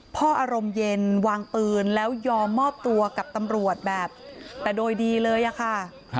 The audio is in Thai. อารมณ์เย็นวางปืนแล้วยอมมอบตัวกับตำรวจแบบแต่โดยดีเลยอะค่ะ